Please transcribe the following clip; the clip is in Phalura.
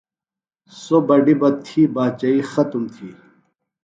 سوۡ بڈیۡ بہ تھی باچئی ختُم تھی۔